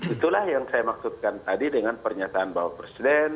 itulah yang saya maksudkan tadi dengan pernyataan bapak presiden